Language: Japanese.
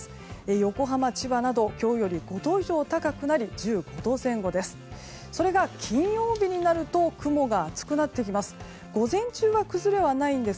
横浜、千葉など今日より５度以上高くなり１５度前後です。